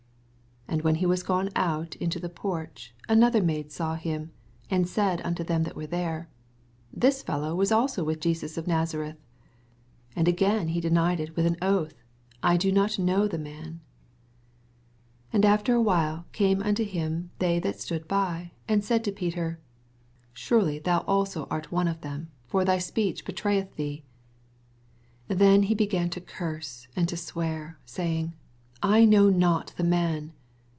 • 71 And when he was gone out into the porch, another maids&w him^d said unto them that were there. This fellow v/ob also with Jesus of Nazareth. 72 And again he denied with an oath, I do not know the nan. 78 And after a while came unto ^Mii they that stood by, and said to Peter, Surely thou also art one of them ; for thy speech bewrayeth thee. 74 Then began he to curse and to swear, aoytn^, I know not the man.